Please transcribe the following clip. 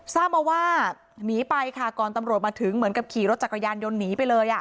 ทราบมาว่าหนีไปค่ะก่อนตำรวจมาถึงเหมือนกับขี่รถจักรยานยนต์หนีไปเลย